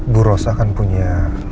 bu ros akan punya